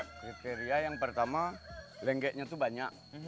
kriteria yang pertama lenggeknya tuh banyak